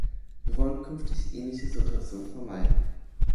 Wir wollen künftig ähnliche Situationen vermeiden.